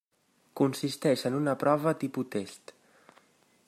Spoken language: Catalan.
Consisteix en una prova tipus test.